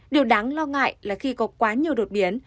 điều đáng lo ngại là khi có quá nhiều đột biến